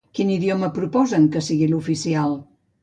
Quin idioma proposen que sigui l'oficial?